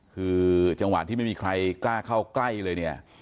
คือจังหวะที่ไม่มีใครกล้าเข้าใกล้เลยเนี่ย